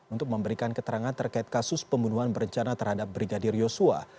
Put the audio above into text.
untuk memberikan keterangan terkait kasus pembunuhan berencana terhadap brigadir yosua